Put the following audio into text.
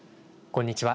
こんにちは。